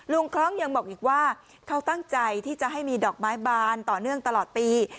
คล้องยังบอกอีกว่าเขาตั้งใจที่จะให้มีดอกไม้บานต่อเนื่องตลอดปี